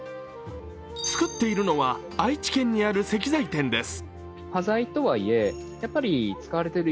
作っているのは愛知県にある石材店です。